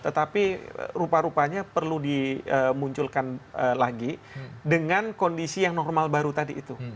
tetapi rupa rupanya perlu dimunculkan lagi dengan kondisi yang normal baru tadi itu